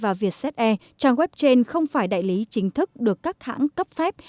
theo vietnam airlines và vietcetera trang web trên không phải đại lý chính thức được các hãng cấp phép